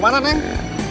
jalan dulu jangan